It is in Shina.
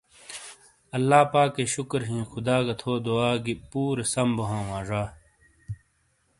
اللہ پاکئ شکر ہی خدا گہ تھو دعا گی پورے سم بو ہاں وہ زا۔